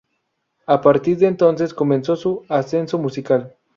A partir de entonces comenzó su ascenso musical.